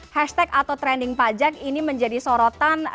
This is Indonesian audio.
hashtag atau trending pajak ini menjadi sorotan